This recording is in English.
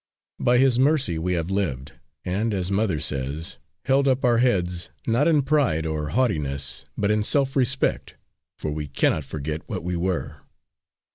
By His mercy we have lived and, as mother says, held up our heads, not in pride or haughtiness, but in self respect, for we cannot forget what we were."